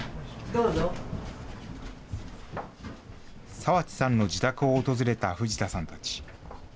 澤地さんの自宅を訪れた藤田さんたち。